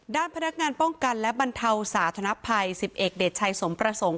ด้านพนักงานป้องกันและบรรเทาสาธนภัย๑๑เดชชัยสมประสงค์